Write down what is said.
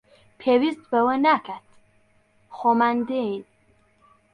پێویست بەوە ناکات، خۆمان دێین